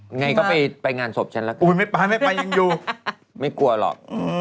ยังไงก็ไปงานศพฉันแล้วกันไม่กลัวหรอก